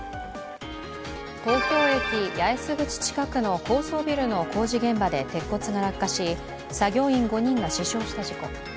東京駅八重洲口近くの高層ビルの工事現場で鉄骨が落下し作業員５人が死傷した事故。